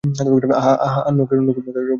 Ah hah, Nokia Bluetooth.